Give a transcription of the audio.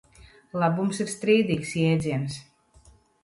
Labums ir strīdīgs jēdziens.